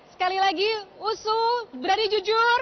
sekali lagi usu berani jujur